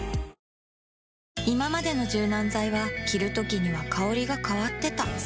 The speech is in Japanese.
いままでの柔軟剤は着るときには香りが変わってた